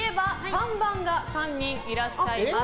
３番が３人いらっしゃいます。